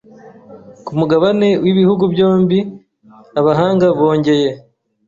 kumugabane wibihugu byombi abahanga bongeye